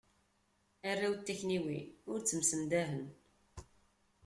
Arraw n takniwin, ur ttemsendahen.